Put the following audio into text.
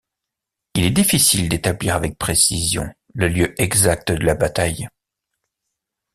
Il est difficile d'établir avec précision le lieu exact de la bataille.